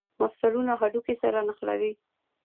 مفصلونه هډوکي سره نښلوي